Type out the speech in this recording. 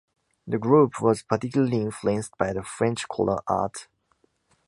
The group was particularly influenced by the French color art.